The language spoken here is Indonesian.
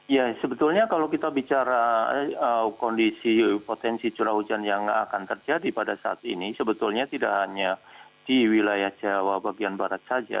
ya sebetulnya kalau kita bicara kondisi potensi curah hujan yang akan terjadi pada saat ini sebetulnya tidak hanya di wilayah jawa bagian barat saja